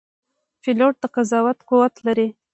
پیلوټ د قضاوت قوت لري.